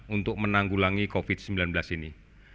untuk menanggulangi covid sembilan belas ini